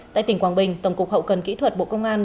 tại tỉnh quảng bình tổng cục hậu cần kỹ thuật bộ công an